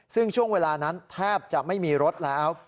ซึ่งช่วงเวลานั้นแทบจะไม่มีรถแล้ว